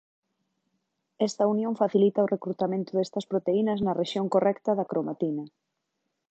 Esta unión facilita o recrutamento destas proteínas na rexión correcta da cromatina.